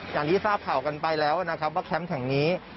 อย่างที่ทราบข่าวกันไปแล้วนะครับว่าแคมป์แห่งนี้